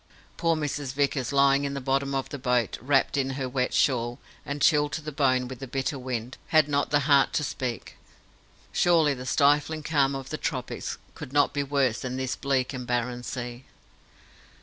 Poor Mrs. Vickers, lying in the bottom of the boat, wrapped in her wet shawl, and chilled to the bone with the bitter wind, had not the heart to speak. Surely the stifling calm of the tropics could not be worse than this bleak and barren sea.